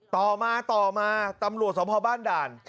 ต่อมาต่อมาตำรวจสมภาพบ้านด่าน